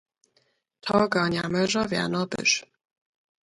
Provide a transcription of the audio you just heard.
To ga njamóžo wěrno byś!